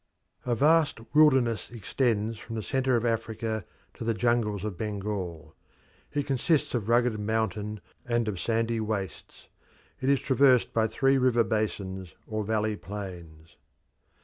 A vast wilderness extends from the centre of Africa to the jungles of Bengal. It consists of rugged mountain and of sandy wastes; it is traversed by three river basins or valley plains.